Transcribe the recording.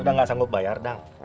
udah enggak sanggup bayar dang